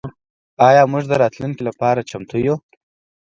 آیا موږ د راتلونکي لپاره چمتو یو؟